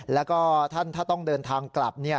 แล้วก็ท่านถ้าต้องเดินทางกลับ